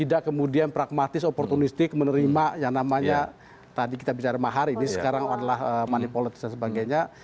tidak kemudian pragmatis oportunistik menerima yang namanya tadi kita bicara mahar ini sekarang adalah money politis dan sebagainya